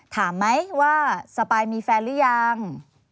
ถามไหมว่าสปายมีแฟนหรือยัง